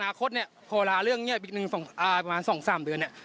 อนาคตพอหลาเรื่องนี้จะอายประมาณ๒๓เดือน